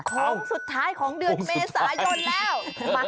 ของสุดท้ายของเดือนเมษายนแล้ว